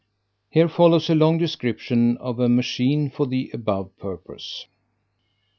Here follows a long description of a machine for the above purpose.